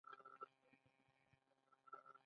زما خویندې مهربانه دي.